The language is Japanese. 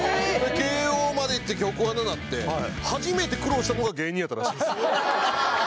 慶応までいって局アナなって初めて苦労したのが芸人やったらしいです